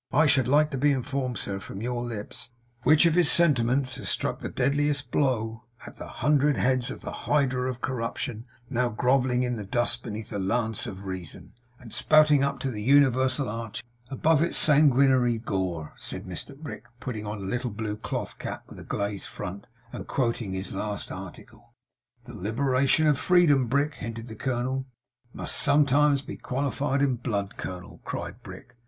I should like to be informed, sir, from your lips, which of his sentiments has struck the deadliest blow ' 'At the hundred heads of the Hydra of Corruption now grovelling in the dust beneath the lance of Reason, and spouting up to the universal arch above us, its sanguinary gore,' said Mr Brick, putting on a little blue cloth cap with a glazed front, and quoting his last article. 'The libation of freedom, Brick' hinted the colonel. ' Must sometimes be quaffed in blood, colonel,' cried Brick.